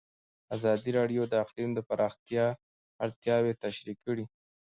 ازادي راډیو د اقلیم د پراختیا اړتیاوې تشریح کړي.